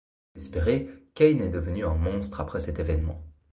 Désespéré, Kane est devenu un monstre après cet événement.